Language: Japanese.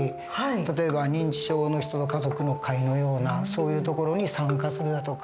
例えば認知症の人の家族の会のようなそういう所に参加するだとか。